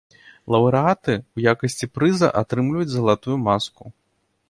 Лаўрэаты ў якасці прыза атрымліваюць залатую маску.